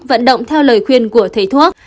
vận động theo lời khuyên của thầy thuốc